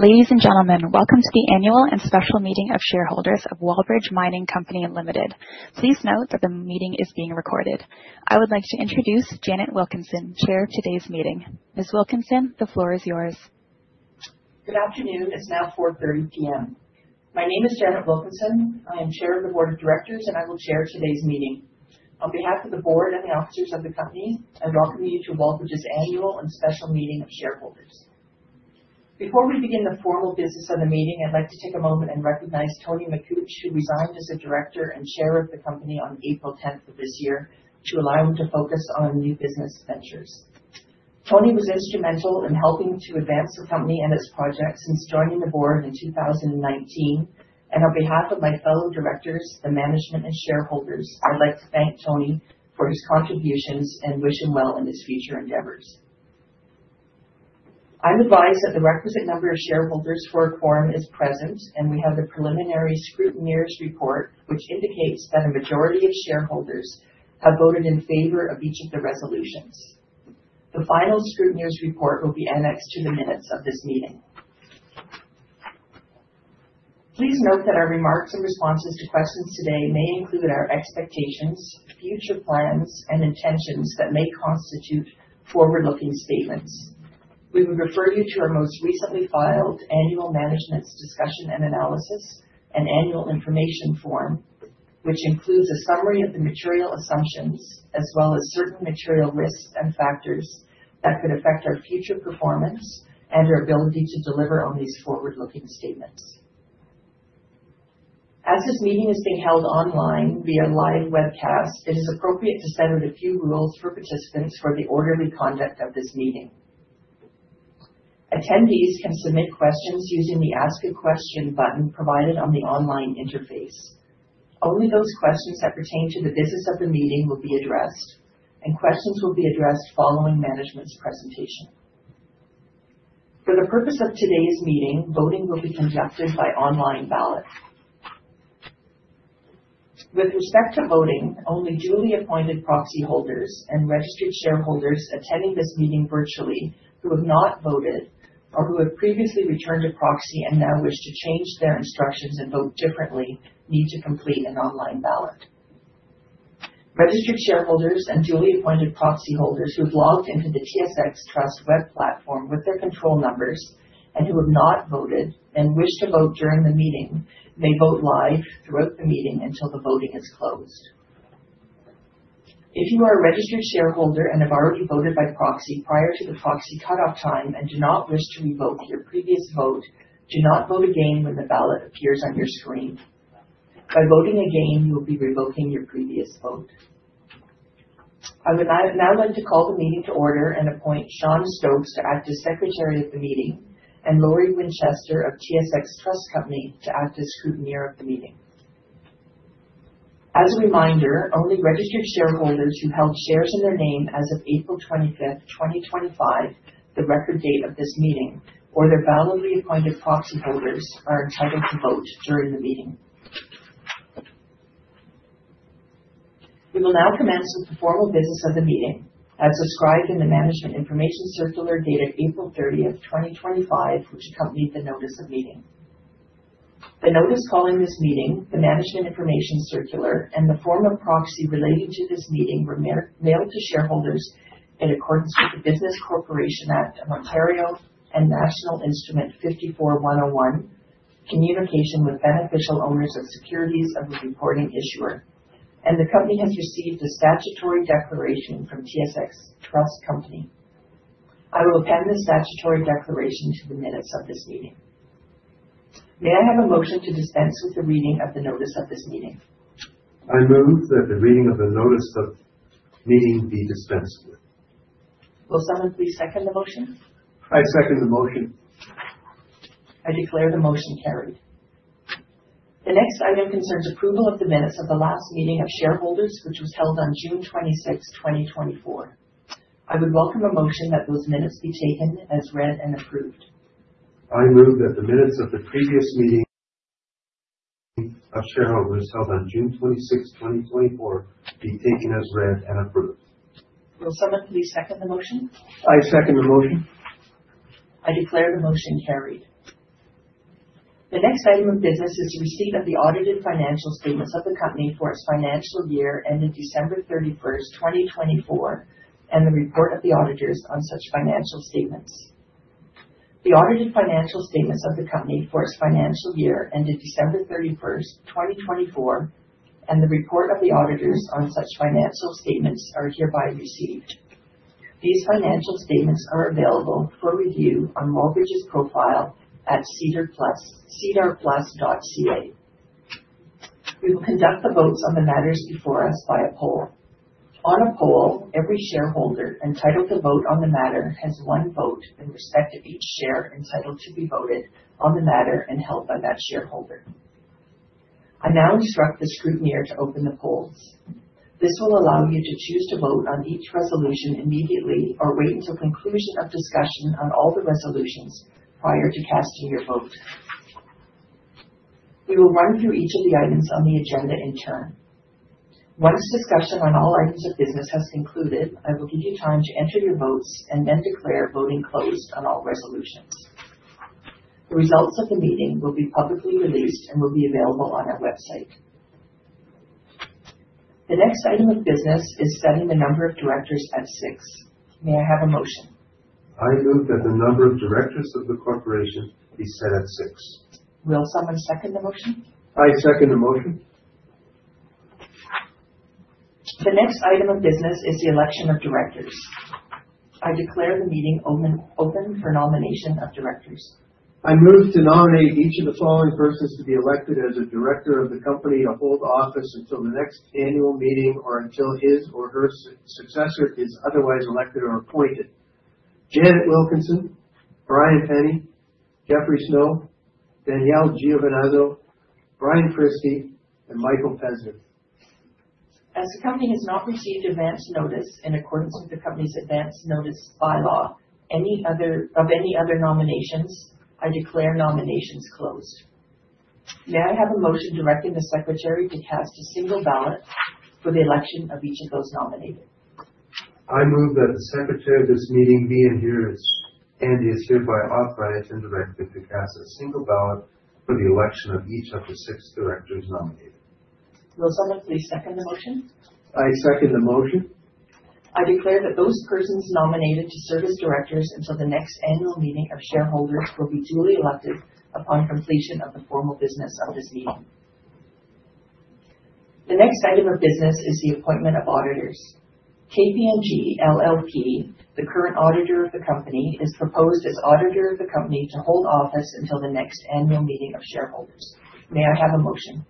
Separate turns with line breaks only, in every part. Ladies and gentlemen, welcome to the annual and special meeting of shareholders of Wallbridge Mining Company Limited. Please note that the meeting is being recorded. I would like to introduce Janet Wilkinson, Chair of today's meeting. Ms. Wilkinson, the floor is yours.
Good afternoon. It's now 4:30 P.M. My name is Janet Wilkinson. I am Chair of the Board of Directors, and I will chair today's meeting. On behalf of the board and the officers of the company, I welcome you to Wallbridge's Annual and Special Meeting of Shareholders. Before we begin the formal business of the meeting, I'd like to take a moment and recognize Anthony Makuch, who resigned as a director and chair of the company on April 10th of this year, to allow him to focus on new business ventures. Tony was instrumental in helping to advance the company and its projects since joining the board in 2019, and on behalf of my fellow directors, the management, and shareholders, I'd like to thank Tony for his contributions and wish him well in his future endeavors. I'm advised that the requisite number of shareholders for a quorum is present, and we have the preliminary scrutineer's report, which indicates that a majority of shareholders have voted in favor of each of the resolutions. The final scrutineer's report will be annexed to the minutes of this meeting. Please note that our remarks and responses to questions today may include our expectations, future plans, and intentions that may constitute forward-looking statements. We would refer you to our most recently filed Annual Management's Discussion and Analysis and Annual Information Form, which includes a summary of the material assumptions as well as certain material risks and factors that could affect our future performance and our ability to deliver on these forward-looking statements. As this meeting is being held online via live webcast, it is appropriate to set a few rules for participants for the orderly conduct of this meeting. Attendees can submit questions using the Ask a Question button provided on the online interface. Only those questions that pertain to the business of the meeting will be addressed, and questions will be addressed following management's presentation. For the purpose of today's meeting, voting will be conducted by online ballot. With respect to voting, only duly appointed proxy holders and registered shareholders attending this meeting virtually who have not voted or who have previously returned a proxy and now wish to change their instructions and vote differently need to complete an online ballot. Registered shareholders and duly appointed proxy holders who have logged into the TSX Trust web platform with their control numbers and who have not voted and wish to vote during the meeting may vote live throughout the meeting until the voting is closed. If you are a registered shareholder and have already voted by proxy prior to the proxy cutoff time and do not wish to revoke your previous vote, do not vote again when the ballot appears on your screen. By voting again, you will be revoking your previous vote. I would now like to call the meeting to order and appoint Sean Stokes to act as secretary of the meeting and Lori Winchester of TSX Trust Company to act as scrutineer of the meeting. As a reminder, only registered shareholders who held shares in their name as of April 25th, 2025, the record date of this meeting, or their validly appointed proxy holders, are entitled to vote during the meeting. We will now commence with the formal business of the meeting as described in the Management Information Circular dated April 30th, 2025, which accompanied the notice of meeting. The notice calling this meeting, the Management Information Circular, and the form of proxy relating to this meeting were mailed to shareholders in accordance with the Business Corporations Act of Ontario and National Instrument 54-101, Communication with Beneficial Owners of Securities of the Reporting Issuer, and the company has received a statutory declaration from TSX Trust Company. I will append the statutory declaration to the minutes of this meeting. May I have a motion to dispense with the reading of the notice of this meeting? I move that the reading of the notice of meeting be dispensed with. Will someone please second the motion? I second the motion. I declare the motion carried. The next item concerns approval of the minutes of the last meeting of shareholders, which was held on June 26th, 2024. I would welcome a motion that those minutes be taken as read and approved. I move that the minutes of the previous meeting of shareholders held on June 26th, 2024, be taken as read and approved. Will someone please second the motion? I second the motion. I declare the motion carried. The next item of business is the receipt of the audited financial statements of the company for its financial year ended December 31st, 2024, and the report of the auditors on such financial statements. The audited financial statements of the company for its financial year ended December 31st, 2024, and the report of the auditors on such financial statements are hereby received. These financial statements are available for review on Wallbridge's profile at sedarplus.ca. We will conduct the votes on the matters before us by a poll. On a poll, every shareholder entitled to vote on the matter has one vote in respect of each share entitled to be voted on the matter and held by that shareholder. I now instruct the scrutineer to open the polls. This will allow you to choose to vote on each resolution immediately or wait until conclusion of discussion on all the resolutions prior to casting your vote. We will run through each of the items on the agenda in turn. Once discussion on all items of business has concluded, I will give you time to enter your votes and then declare voting closed on all resolutions. The results of the meeting will be publicly released and will be available on our website. The next item of business is setting the number of directors at six. May I have a motion? I move that the number of directors of the corporation be set at six. Will someone second the motion? I second the motion. The next item of business is the election of directors. I declare the meeting open for nomination of directors. I move to nominate each of the following persons to be elected as a director of the company to hold office until the next annual meeting or until his or her successor is otherwise elected or appointed: Janet Wilkinson, Brian Penny, Jeffery Snow, Danielle Giovenazzo, Brian Christie, and Michael Pesner. As the company has not received advance notice in accordance with the company's advance notice bylaw of any other nominations, I declare nominations closed. May I have a motion directing the secretary to cast a single ballot for the election of each of those nominated? I move that the secretary of this meeting, Sean Stokes, hereby authorize and direct him to cast a single ballot for the election of each of the six directors nominated. Will someone please second the motion? I second the motion. I declare that those persons nominated to serve as directors until the next annual meeting of shareholders will be duly elected upon completion of the formal business of this meeting. The next item of business is the appointment of auditors. KPMG LLP, the current auditor of the company, is proposed as auditor of the company to hold office until the next annual meeting of shareholders. May I have a motion?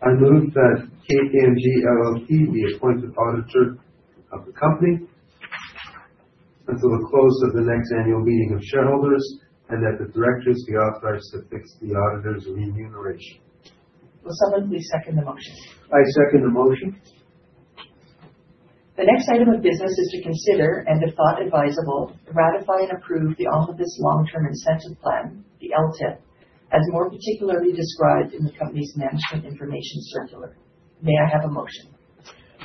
I move that KPMG LLP be appointed auditor of the company until the close of the next annual meeting of shareholders and that the directors be authorized to fix the auditor's remuneration. Will someone please second the motion? I second the motion. The next item of business is to consider and, if thought advisable, ratify and approve the Omnibus Long-Term Incentive Plan, the LTIP, as more particularly described in the company's Management Information Circular. May I have a motion?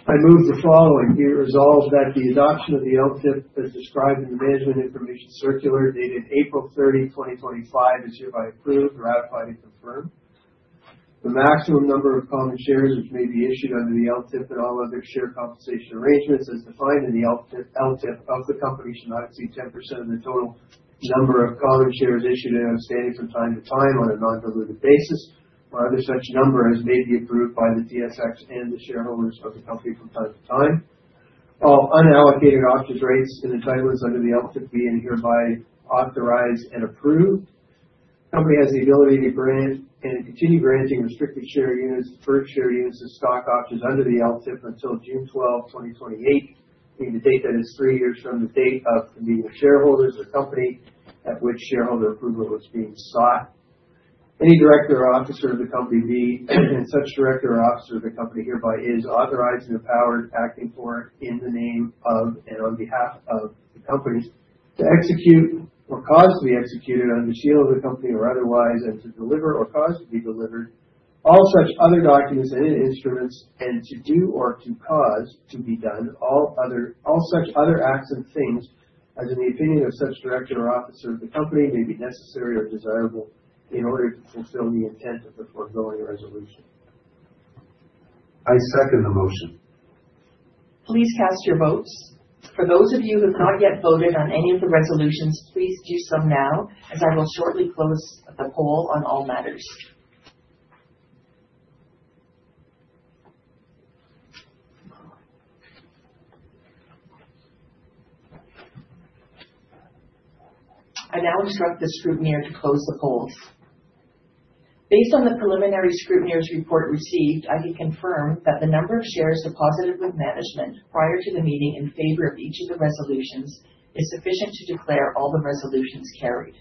I move the following: be resolved that the adoption of the LTIP as described in the management information circular dated April 30, 2025, is hereby approved, ratified, and confirmed. The maximum number of common shares which may be issued under the LTIP and all other share compensation arrangements as defined in the LTIP of the company should not exceed 10% of the total number of common shares issued and outstanding from time to time on a non-dilutive basis or other such number as may be approved by the TSX and the shareholders of the company from time to time. All unallocated options rights and entitlements under the LTIP be hereby authorized and approved. The company has the ability to grant and continue granting restricted share units, preferred share units, and stock options under the LTIP until June 12, 2028, meaning the date that is three years from the date of convening shareholders or company at which shareholder approval was being sought. Any director or officer of the company be and such director or officer of the company hereby is authorized and empowered acting for, in the name of, and on behalf of the company, to execute or cause to be executed under the seal of the company or otherwise and to deliver or cause to be delivered all such other documents and instruments and to do or to cause to be done all such other acts and things as in the opinion of such director or officer of the company may be necessary or desirable in order to fulfill the intent of the foregoing resolution. I second the motion. Please cast your votes. For those of you who have not yet voted on any of the resolutions, please do so now as I will shortly close the poll on all matters. I now instruct the scrutineer to close the polls. Based on the preliminary scrutineer's report received, I can confirm that the number of shares deposited with management prior to the meeting in favor of each of the resolutions is sufficient to declare all the resolutions carried.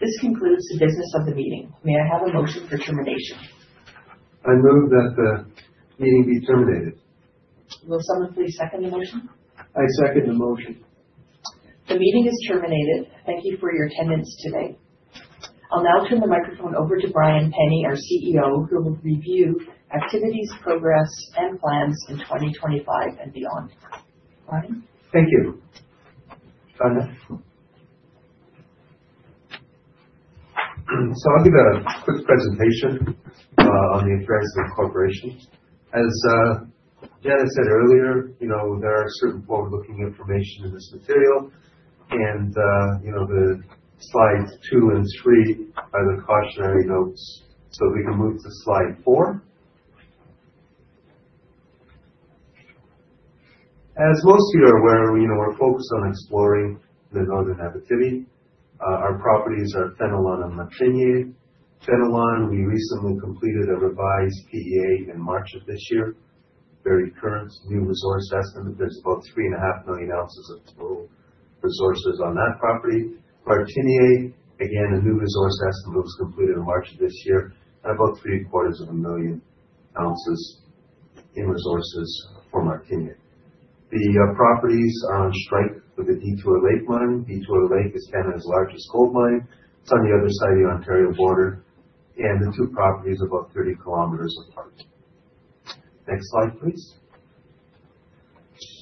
This concludes the business of the meeting. May I have a motion for termination? I move that the meeting be terminated. Will someone please second the motion? I second the motion. The meeting is terminated. Thank you for your attendance today. I'll now turn the microphone over to Brian Penny, our CEO, who will review activities, progress, and plans in 2025 and beyond. Brian?
Thank you. I'll give a quick presentation on the affairs of the corporation. As Janet said earlier, there are certain forward-looking information in this material, and the slides two and three are the cautionary notes. If we can move to slide 4. As most of you are aware, we're focused on exploring the northern Abitibi. Our properties are Fenelon and Martiniere. Fenelon, we recently completed a revised PEA in March of this year. Very current new resource estimate. There's about three and a half million ounces of total resources on that property. Martiniere, again, a new resource estimate was completed in March of this year at about three quarters of a million ounces in resources for Martiniere. The properties are on strike with the Detour Lake Mine. Detour Lake is Canada's largest gold mine. It's on the other side of the Ontario border, and the two properties are about 30 km apart. Next slide, please.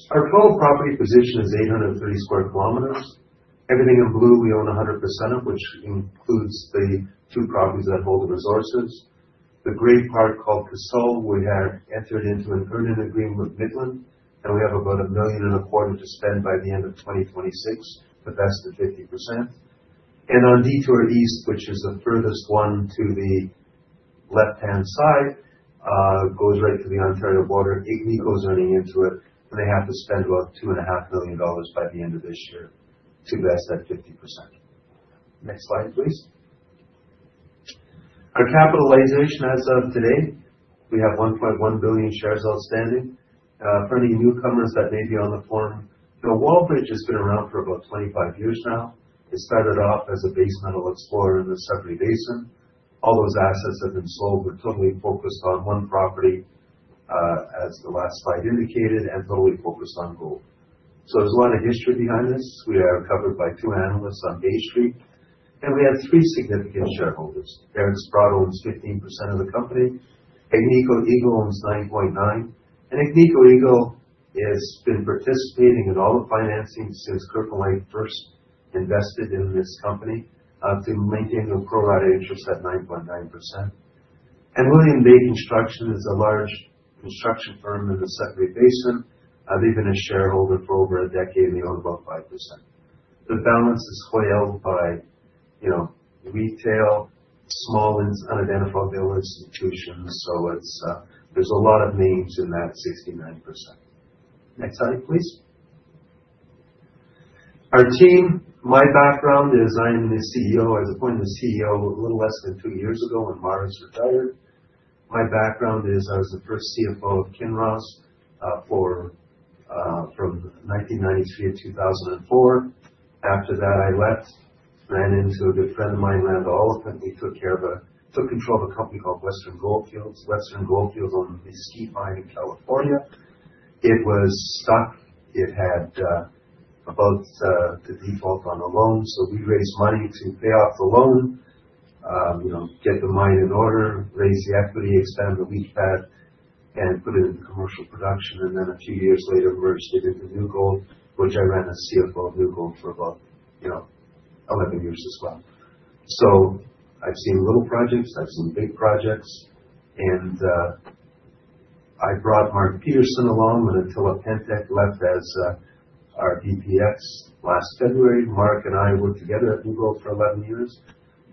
Our total property position is 830 sq km. Everything in blue, we own 100% of, which includes the two properties that hold the resources. The gray part called Casault, we have entered into an earn-in agreement with Midland, and we have about 1.25 million to spend by the end of 2026 to vest at 50%. And on Detour East, which is the furthest one to the left-hand side, goes right to the Ontario border. Agnico goes running into it, and they have to spend about 2.5 million dollars by the end of this year to vest at 50%. Next slide, please. Our capitalization as of today, we have 1.1 billion shares outstanding. For any newcomers that may be on the call, Wallbridge has been around for about 25 years now. It started off as a base metal explorer in the Sudbury Basin. All those assets have been sold. We're totally focused on one property, as the last slide indicated, and totally focused on gold. So there's a lot of history behind this. We are covered by two analysts on Bay Street, and we have three significant shareholders. Eric Sprott owns 15% of the company. Agnico Eagle owns 9.9%. And Agnico Eagle has been participating in all the financing since Kirkland Lake first invested in this company to maintain a pro-rata interest at 9.9%. And William Day Construction is a large construction firm in the Sudbury Basin. They've been a shareholder for over a decade, and they own about 5%. The balance is held by retail, small, unidentified institutional. So there's a lot of names in that 69%. Next slide, please. Our team, my background is I'm the CEO. I was appointed the CEO a little less than two years ago when Marz retired. My background is I was the first CFO of Kinross from 1993-2004. After that, I left, ran into a good friend of mine, Randall Oliphant. We took control of a company called Western Goldfields. Western Goldfields owned a Mesquite Mine in California. It was stuck. It had about to default on a loan. So we raised money to pay off the loan, get the mine in order, raise the equity, expand the leach pad, and put it into commercial production. And then a few years later, merged it to New Gold, which I ran as CFO of New Gold for about 11 years as well. So I've seen little projects. I've seen big projects. And I brought Mark Petersen along when Attila Péntek left as our VPX last February. Mark and I worked together at New Gold for 11 years.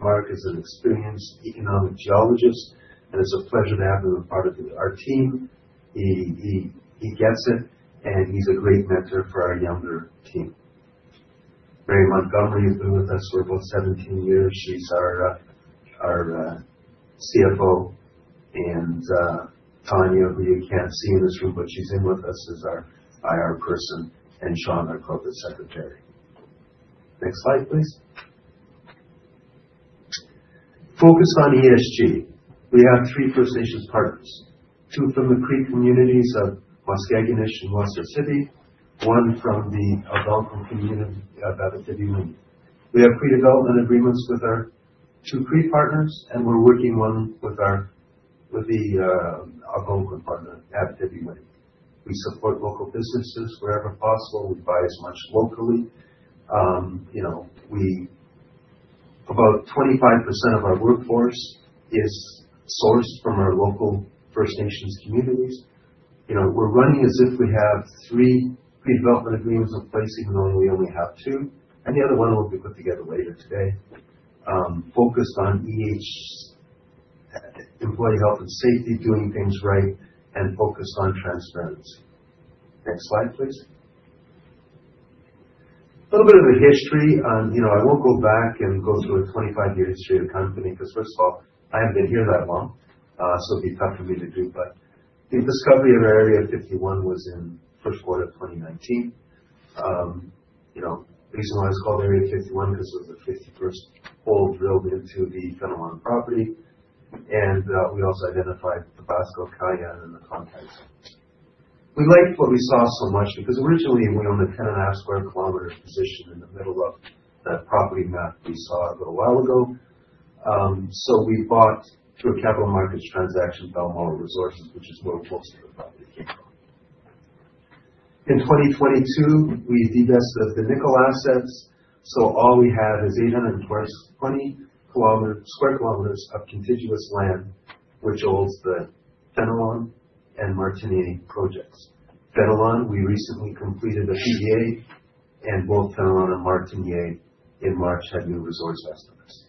Mark is an experienced economic geologist, and it's a pleasure to have him as part of our team. He gets it, and he's a great mentor for our younger team. Mary Montgomery has been with us for about 17 years. She's our CFO. And Tania, who you can't see in this room, but she's in with us as our IR person, and Sean Stokes, secretary. Next slide, please. Focused on ESG, we have three First Nations partners, two from the Cree communities of Mistissini and Waswanipi, one from the Algonquin community of Abitibiwinni. We have Cree development agreements with our two Cree partners, and we're working one with the Algonquin partner Abitibiwinni. We support local businesses wherever possible. We buy as much locally. About 25% of our workforce is sourced from our local First Nations communities. We're running as if we have three Cree development agreements in place, even though we only have two. And the other one will be put together later today, focused on employee health and safety, doing things right, and focused on transparency. Next slide, please. A little bit of a history on. I won't go back and go through a 25-year history of the company because, first of all, I haven't been here that long, so it'd be tough for me to do, but the discovery of Area 51 was in the first quarter of 2019. The reason why it's called Area 51 is because it was the 51st hole drilled into the Fenelon property, and we also identified the Tabasco Cayenne in the context. We liked what we saw so much because originally, we owned a 10 and a half sq km position in the middle of the property map we saw a little while ago. So we bought through a capital markets transaction Balmoral Resources, which is where most of the property came from. In 2022, we de-desked the nickel assets. So all we have is 820 sq km of contiguous land, which holds the Fenelon and Martiniere projects. Fenelon, we recently completed a PEA, and both Fenelon and Martiniere in March had new resource estimates.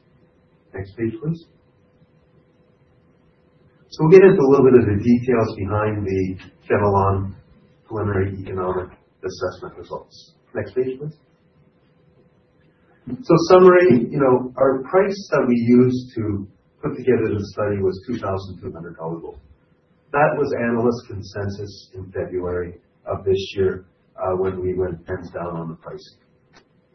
Next page, please. So we'll get into a little bit of the details behind the Fenelon preliminary economic assessment results. Next page, please. So summary, our price that we used to put together the study was $2,200. That was analyst consensus in February of this year when we went heads down on the pricing.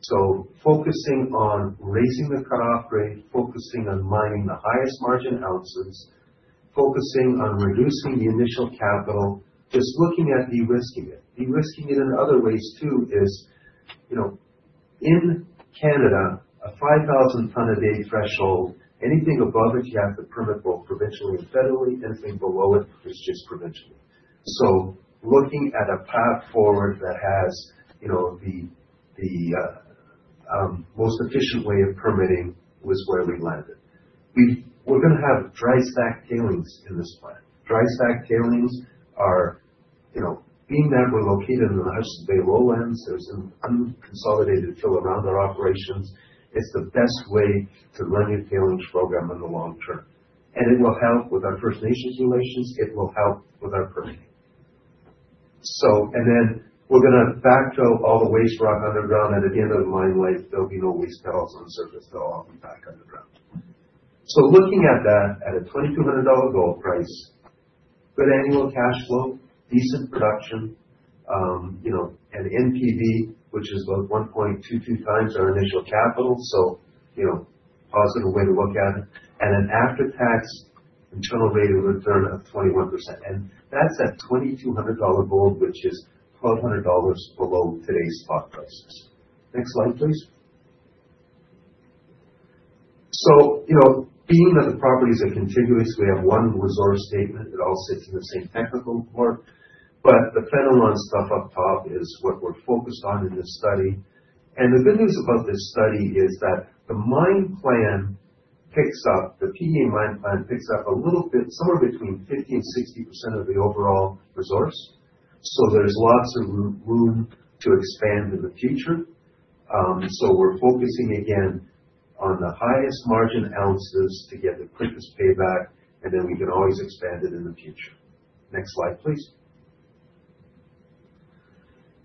So focusing on raising the cut-off rate, focusing on mining the highest margin ounces, focusing on reducing the initial capital, just looking at de-risking it. De-risking it in other ways too is, in Canada, a 5,000-ton-a-day threshold. Anything above it, you have to permit both provincially and federally. Anything below it is just provincially, so looking at a path forward that has the most efficient way of permitting was where we landed. We're going to have dry stack tailings in this plan. Dry stack tailings are, being that we're located in the Hudson Bay Lowlands. There's an unconsolidated fill around our operations. It's the best way to run your tailings program in the long term, and it will help with our First Nations relations. It will help with our permitting, and then we're going to backfill all the waste rock underground. At the end of the mine life, there'll be no waste pebbles on the surface. They'll all be back underground. So looking at that at a $2,200 gold price, good annual cash flow, decent production, an NPV, which is about 1.22 times our initial capital. So positive way to look at it. And an after-tax internal rate of return of 21%. And that's at $2,200 gold, which is $1,200 below today's spot prices. Next slide, please. So being that the properties are contiguous, we have one resource statement. It all sits in the same technical report. But the Fenelon stuff up top is what we're focused on in this study. And the good news about this study is that the mine plan picks up the PEA mine plan a little bit somewhere between 50%-60% of the overall resource. There's lots of room to expand in the future. We're focusing again on the highest margin ounces to get the quickest payback, and then we can always expand it in the future. Next slide, please.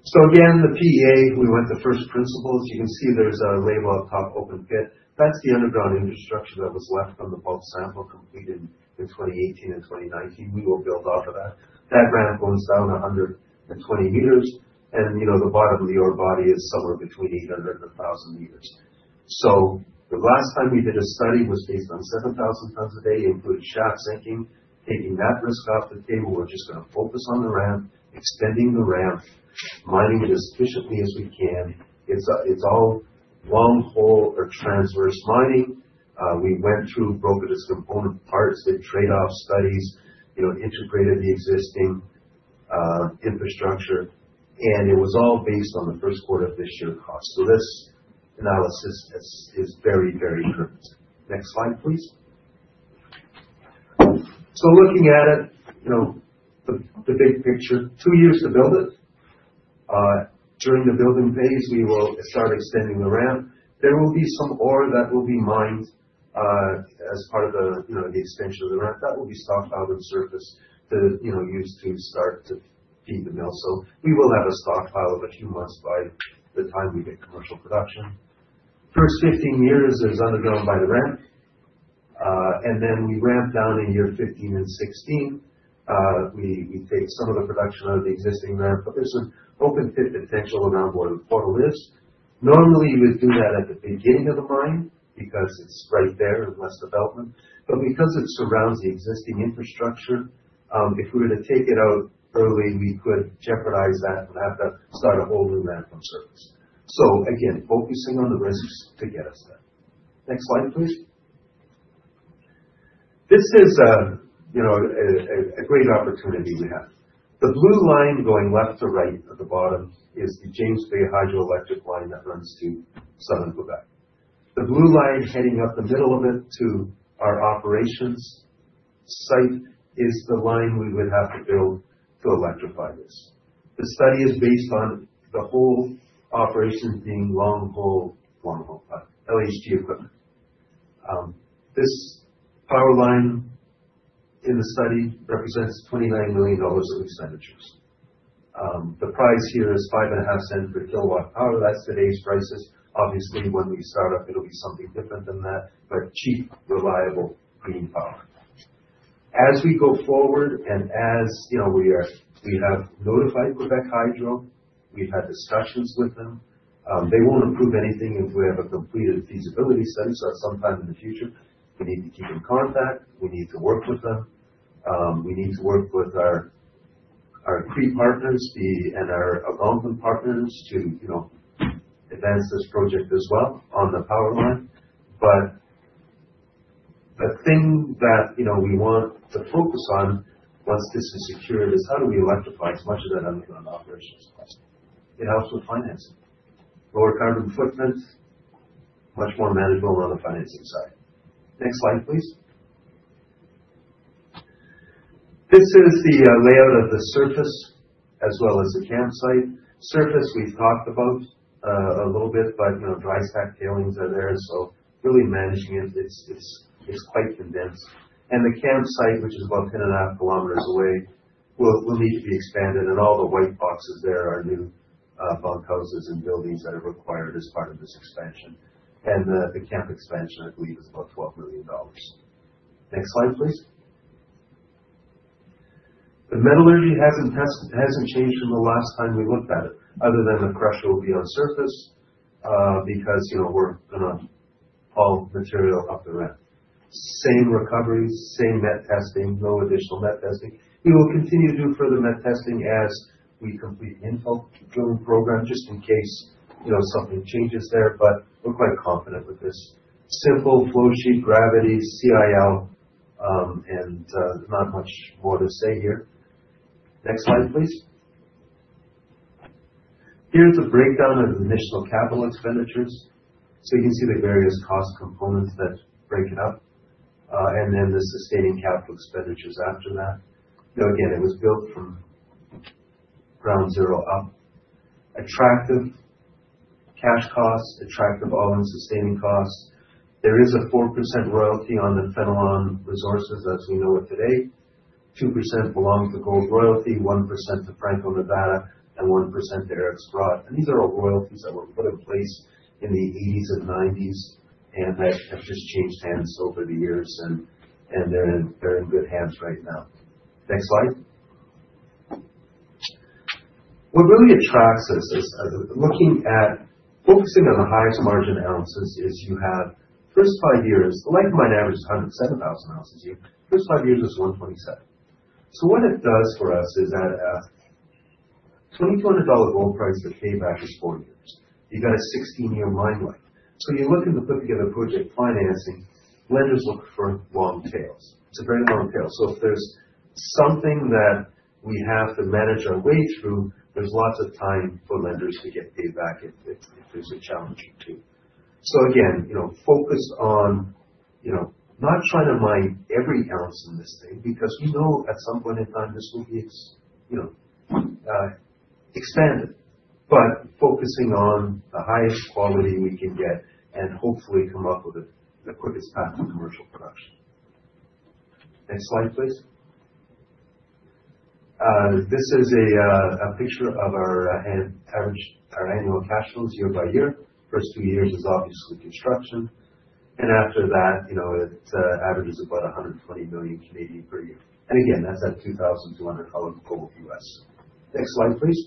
Again, the PEA, we went to first principles. You can see there's a label up top, open pit. That's the underground infrastructure that was left on the bulk sample completed in 2018 and 2019. We will build off of that. That ramp goes down 120 m, and the bottom of the ore body is somewhere between 800 and 1,000 m. The last time we did a study was based on 7,000 tons a day, including shaft sinking, taking that risk off the table. We're just going to focus on the ramp, extending the ramp, mining it as efficiently as we can. It's all long hole or transverse mining. We went through Broca's component parts, did trade-off studies, integrated the existing infrastructure, and it was all based on the first quarter of this year cost. So this analysis is very, very current. Next slide, please. So looking at it, the big picture, two years to build it. During the building phase, we will start extending the ramp. There will be some ore that will be mined as part of the extension of the ramp. That will be stockpiled on surface to use to start to feed the mill. So we will have a stockpile of a few months by the time we get commercial production. First 15 years is underground by the ramp. And then we ramp down in year 15 and 16. We take some of the production out of the existing ramp, but there's an open pit potential around where the portal is. Normally, you would do that at the beginning of the mine because it's right there and less development. But because it surrounds the existing infrastructure, if we were to take it out early, we could jeopardize that and have to start a whole new ramp on surface. So again, focusing on the risks to get us there. Next slide, please. This is a great opportunity we have. The blue line going left to right at the bottom is the James Bay Hydroelectric Line that runs to Southern Quebec. The blue line heading up the middle of it to our operations site is the line we would have to build to electrify this. The study is based on the whole operation being long hole, long hole, LHG equipment. This power line in the study represents 29 million dollars of expenditures. The price here is 0.055 per kilowatt power. That's today's prices. Obviously, when we start up, it'll be something different than that, but cheap, reliable green power. As we go forward and as we have notified Nord-du-Québec, we've had discussions with them. They won't approve anything until we have a completed feasibility study. Sometime in the future, we need to keep in contact. We need to work with them. We need to work with our Cree partners and our Algonquin partners to advance this project as well on the power line. The thing that we want to focus on once this is secured is how do we electrify as much of that underground operation as possible. It helps with financing. Lower carbon footprint, much more manageable on the financing side. Next slide, please. This is the layout of the surface as well as the campsite. Surface, we've talked about a little bit, but dry stack tailings are there. Really managing it, it's quite condensed. The campsite, which is about 10 and a half kilometers away, will need to be expanded. All the white boxes there are new bunk houses and buildings that are required as part of this expansion. The camp expansion, I believe, is about 12 million dollars. Next slide, please. The metallurgy hasn't changed from the last time we looked at it, other than the pressure will be on surface because we're going to haul material up the ramp. Same recovery, same met testing, no additional met testing. We will continue to do further met testing as we complete the infill drilling program, just in case something changes there. We're quite confident with this. Simple flow sheet, gravity, CIL, and not much more to say here. Next slide, please. Here's the breakdown of the initial capital expenditures. So you can see the various cost components that break it up. And then the sustaining capital expenditures after that. Again, it was built from ground zero up. Attractive cash costs, attractive all-in sustaining costs. There is a 4% royalty on the Fenelon resources as we know it today. 2% belongs to Gold Royalty, 1% to Franco-Nevada, and 1% to Eric Sprott. And these are all royalties that were put in place in the 1980s and 1990s and that have just changed hands over the years. And they're in good hands right now. Next slide. What really attracts us is looking at focusing on the highest margin ounces is you have first five years. The life of mine averages 107,000 ounces a year. First five years is 127. So what it does for us is at $2,200 gold price, the payback is four years. You've got a 16-year mine life. So you look at the put-together project financing, lenders look for long tails. It's a very long tail. So if there's something that we have to manage our way through, there's lots of time for lenders to get paid back if there's a challenge or two. So again, focus on not trying to mine every ounce in this thing because we know at some point in time this will be expanded, but focusing on the highest quality we can get and hopefully come up with the quickest path to commercial production. Next slide, please. This is a picture of our annual cash flows year by year. First two years is obviously construction, and after that, it averages about 120 million per year. Again, that's at $2,200 gold US. Next slide, please.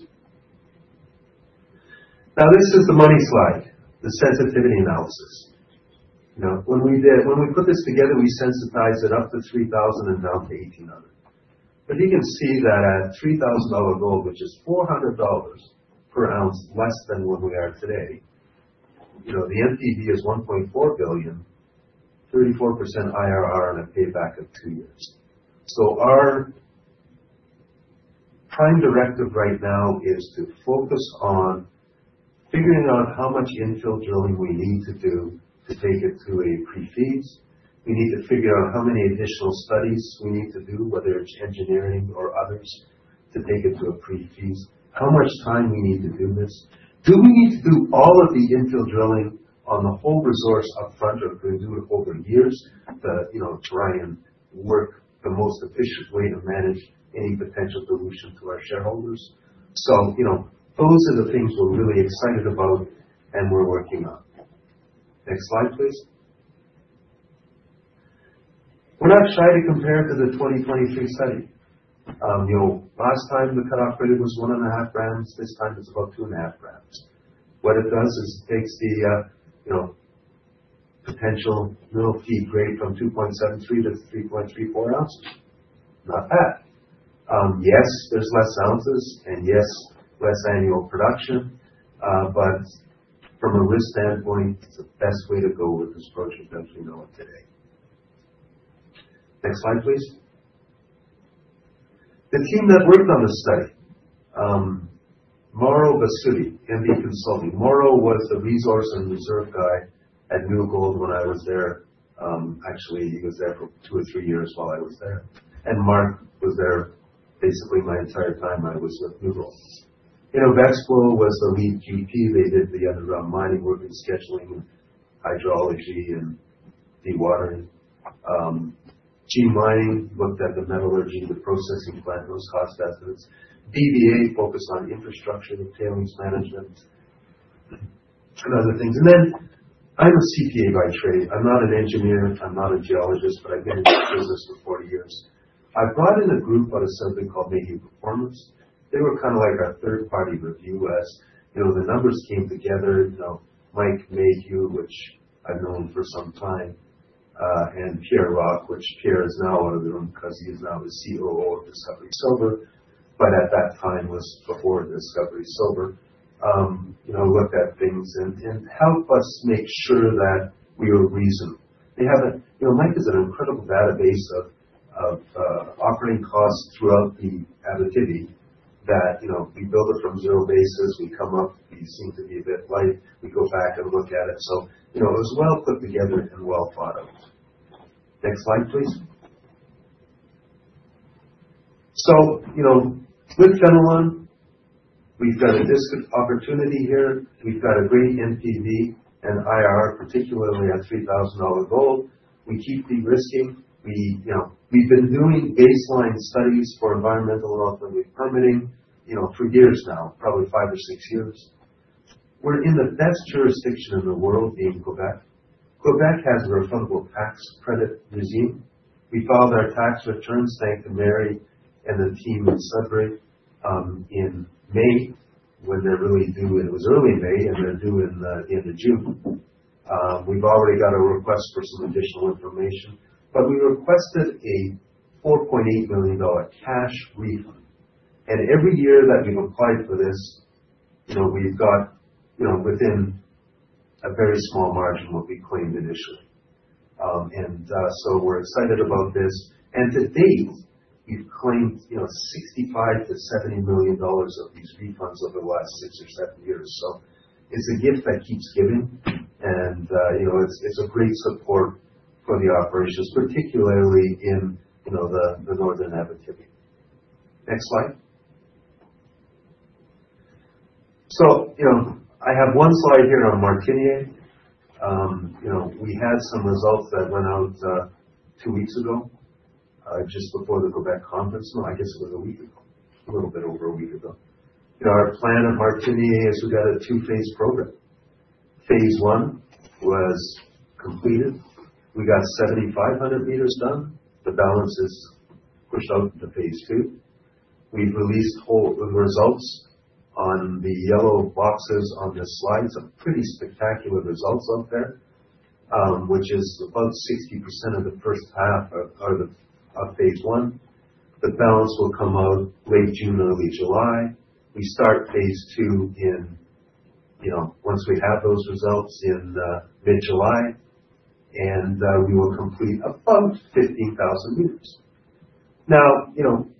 Now, this is the money slide, the sensitivity analysis. When we put this together, we sensitized it up to $3,000 and down to $1,800. But you can see that at $3,000 gold, which is $400 per ounce less than what we are today, the NPV is $1.4 billion, 34% IRR, and a payback of two years. Our prime directive right now is to focus on figuring out how much infill drilling we need to do to take it to a pre-feasibility. We need to figure out how many additional studies we need to do, whether it's engineering or others, to take it to a pre-feasibility. How much time we need to do this? Do we need to do all of the infill drilling on the whole resource upfront or do it over years to try and work the most efficient way to manage any potential dilution to our shareholders? So those are the things we're really excited about and we're working on. Next slide, please. We're not shy to compare it to the 2023 study. Last time, the cut-off rate was one and a half grams. This time, it's about two and a half grams. What it does is it takes the potential mill feed grade from 2.73 to 3.34 ounces. Not bad. Yes, there's less ounces and yes, less annual production. But from a risk standpoint, it's the best way to go with this project as we know it today. Next slide, please. The team that worked on the study, Mauro Bassotti, M.B. Consulting. Mauro was the resource and reserve guy at New Gold when I was there. Actually, he was there for two or three years while I was there. And Mark was there basically my entire time I was with New Gold. Maxwell was the lead QP. They did the underground mining work and scheduling and hydrology and dewatering. G Mining looked at the metallurgy, the processing plant, those cost estimates. BBA focused on infrastructure and tailings management and other things. And then I'm a CPA by trade. I'm not an engineer. I'm not a geologist, but I've been in this business for 40 years. I brought in a group out of something called Mayhew Performance. They were kind of like our third-party review as the numbers came together. Mike Mayhew, which I've known for some time, and Pierre Rocque, which Pierre is now out of the room because he is now the COO of Discovery Silver, but at that time was before Discovery Silver, looked at things and helped us make sure that we were reasonable. Mike has an incredible database of operating costs throughout the activity that we build it from zero basis. We come up, we seem to be a bit light. We go back and look at it. So it was well put together and well thought out. Next slide, please. With Fenelon, we've got a discrete opportunity here. We've got a great NPV and IR, particularly at $3,000 gold. We keep de-risking. We've been doing baseline studies for environmental and alternative permitting for years now, probably five or six years. We're in the best jurisdiction in the world being Quebec. Quebec has a refundable tax credit regime. We filed our tax returns thanks to Mary and the team in Sudbury in May when they're really due. It was early May, and they're due in June. We've already got a request for some additional information, but we requested a 4.8 million dollar cash refund, and every year that we've applied for this, we've got within a very small margin what we claimed initially, and so we're excited about this, and to date, we've claimed 65 million-70 million dollars of these refunds over the last six or seven years, so it's a gift that keeps giving, and it's a great support for the operations, particularly in the northern activity. Next slide, so I have one slide here on Martiniere. We had some results that went out two weeks ago, just before the Quebec conference. No, I guess it was a week ago, a little bit over a week ago. Our plan at Martiniere is we've got a two-phase program. Phase one was completed. We got 7,500 meters done. The balance is pushed out into phase two. We've released results on the yellow boxes on the slides. Pretty spectacular results up there, which is about 60% of the first half of phase one. The balance will come out late June or early July. We start phase two once we have those results in mid-July, and we will complete about 15,000 meters. Now,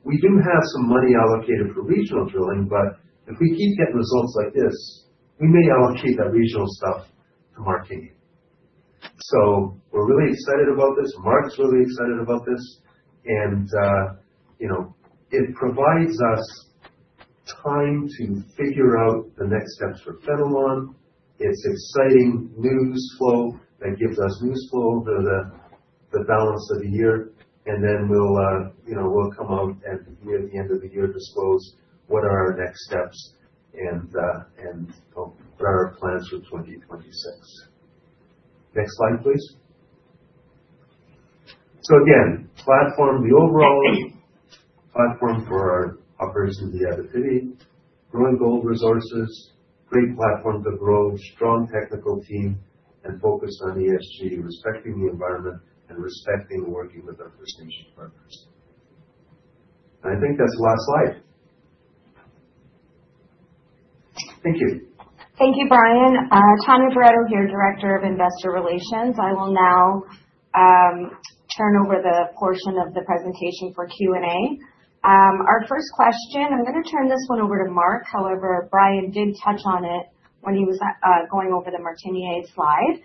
we do have some money allocated for regional drilling, but if we keep getting results like this, we may allocate that regional stuff to Martiniere. So we're really excited about this. Mark's really excited about this, and it provides us time to figure out the next steps for Fenelon. It's exciting news flow that gives us news flow over the balance of the year. And then we'll come out at the end of the year to disclose what are our next steps and what are our plans for 2026. Next slide, please. So again, the overall platform for our operations in the activity, growing gold resources, great platform to grow, strong technical team, and focus on ESG, respecting the environment and respecting working with our First Nation partners. And I think that's the last slide. Thank you.
Thank you, Brian. Tania Barreto here, Director of Investor Relations. I will now turn over the portion of the presentation for Q&A. Our first question, I'm going to turn this one over to Mark. However, Brian did touch on it when he was going over the Martiniere slide.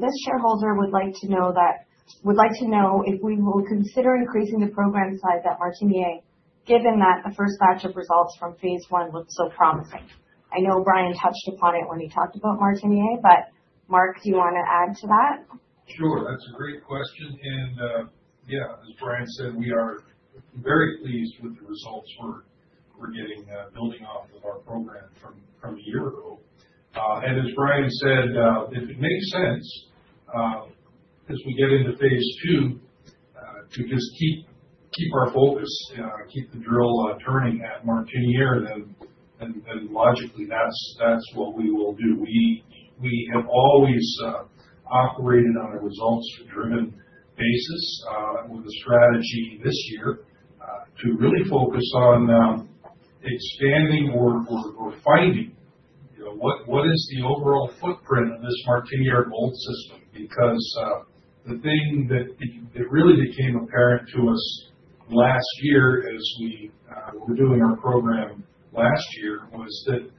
This shareholder would like to know if we will consider increasing the program size at Martiniere, given that the first batch of results from phase one looked so promising. I know Brian touched upon it when he talked about Martiniere, but Mark, do you want to add to that?
Sure. That's a great question. And yeah, as Brian said, we are very pleased with the results we're getting building off of our program from a year ago. And as Brian said, if it makes sense as we get into Phase II, to just keep our focus, keep the drill turning at Martiniere, then logically, that's what we will do. We have always operated on a results-driven basis with a strategy this year to really focus on expanding or finding what is the overall footprint of this Martiniere gold system? Because the thing that really became apparent to us last year as we were doing our program last year was that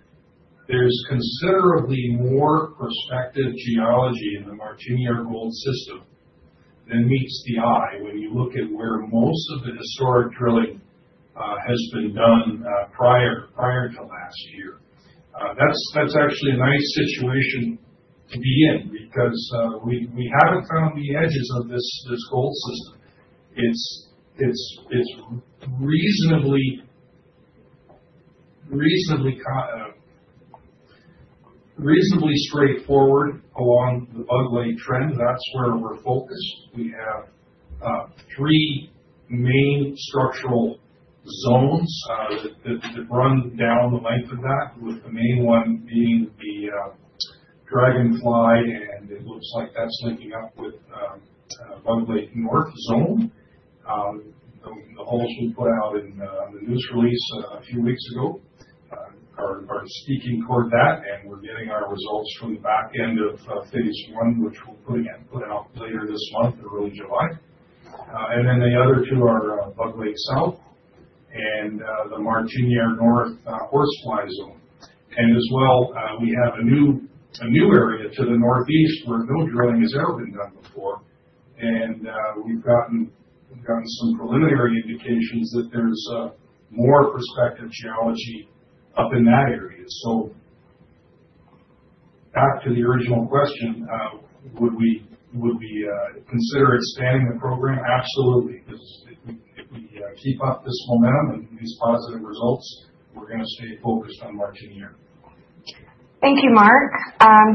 there's considerably more prospective geology in the Martiniere gold system than meets the eye when you look at where most of the historic drilling has been done prior to last year. That's actually a nice situation to be in because we haven't found the edges of this gold system. It's reasonably straightforward along the Bug Lake trend. That's where we're focused. We have three main structural zones that run down the length of that, with the main one being the Dragonfly, and it looks like that's linking up with Bug Lake North Zone. The holes we put out in the news release a few weeks ago are speaking toward that, and we're getting our results from the back end of phase one, which we're putting out later this month or early July. And then the other two are Bug Lake South and the Martiniere North Horsefly Zone. And as well, we have a new area to the northeast where no drilling has ever been done before. And we've gotten some preliminary indications that there's more prospective geology up in that area. So back to the original question, would we consider expanding the program? Absolutely. If we keep up this momentum and these positive results, we're going to stay focused on Martiniere.
Thank you, Mark.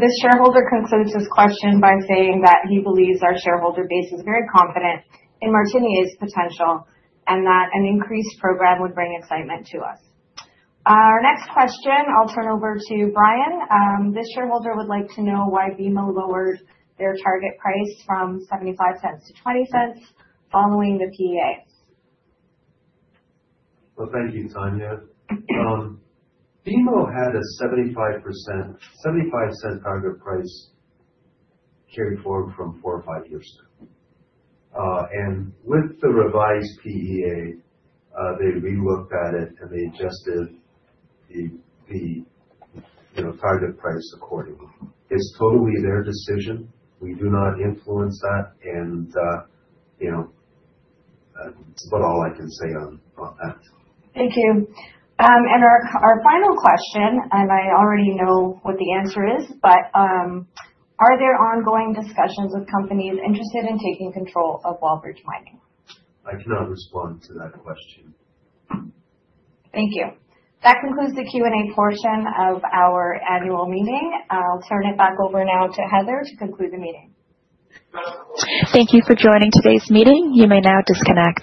This shareholder concludes his question by saying that he believes our shareholder base is very confident in Martiniere's potential and that an increased program would bring excitement to us. Our next question. I'll turn over to Brian. This shareholder would like to know why BMO lowered their target price from 0.75 to 0.20 following the PEA.
Well, thank you, Tania. BMO had a 0.75 target price carried forward from four or five years ago. And with the revised PEA, they re-looked at it, and they adjusted the target price accordingly. It's totally their decision. We do not influence that. And that's about all I can say on that.
Thank you. And our final question, and I already know what the answer is, but are there ongoing discussions with companies interested in taking control of Wallbridge Mining?
I cannot respond to that question.
Thank you. That concludes the Q&A portion of our annual meeting. I'll turn it back over now to Heather to conclude the meeting.
Thank you for joining today's meeting. You may now disconnect.